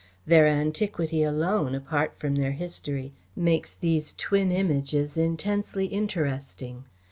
Their antiquity alone, apart from their history, makes these twin Images intensely interesting.